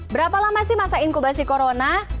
berapa lama sih masa inkubasi corona